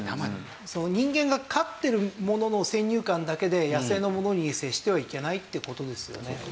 人間が飼ってるものの先入観だけで野生のものに接してはいけないっていう事ですよね。